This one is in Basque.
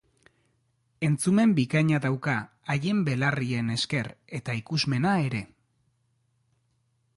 Entzumen bikaina dauka haien belarrien esker eta ikusmena ere.